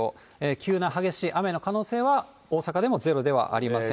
急な激しい雨の可能性は、大阪でもゼロではありません。